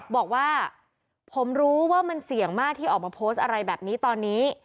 บอกว่าผมรู้ว่ามันเสี่ยงมากที่ออกมาโพสต์อะไรแบบนี้ตอนนี้